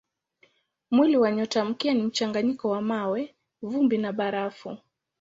Mwili wa nyotamkia ni mchanganyiko wa mawe, vumbi na barafu.